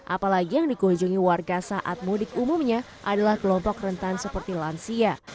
apalagi yang dikunjungi warga saat mudik umumnya adalah kelompok rentan seperti lansia